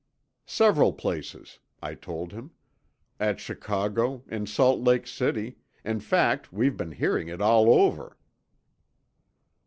"Several places," I told him. "At Chicago, in Salt Lake City—in fact, we've been hearing it all over."